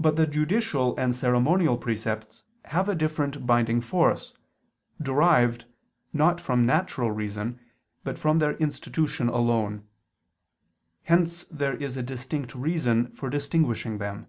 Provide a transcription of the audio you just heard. But the judicial and ceremonial precepts have a different binding force, derived, not from natural reason, but from their institution alone. Hence there is a distinct reason for distinguishing them.